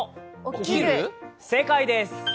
起きる正解です。